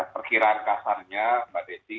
perkiraan kasarnya mbak desi